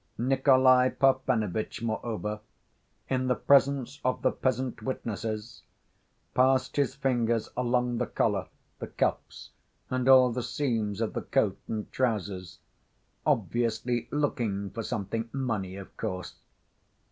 Nikolay Parfenovitch, moreover, in the presence of the peasant witnesses, passed his fingers along the collar, the cuffs, and all the seams of the coat and trousers, obviously looking for something—money, of course.